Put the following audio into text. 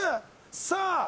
さあ